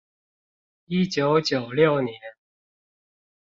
一九九六年